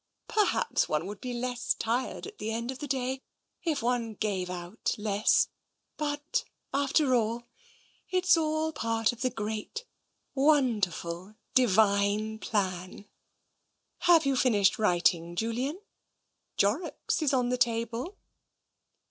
" Perhaps one would be less tired at the end of the day if one gave out less, but after all, it's all part of the great, wonderful, Divine plan." 274 TENSION " Have you finished writing, Julian ?* Jorrocks ' is on the table."